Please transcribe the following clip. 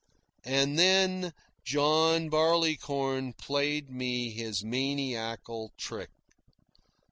And then John Barleycorn played me his maniacal trick.